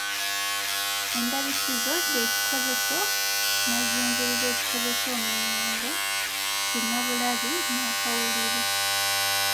Endabisizo kye kikozeso nnanzungirizi ekikozesa omuyungo kinnabulabi n’akawuliru.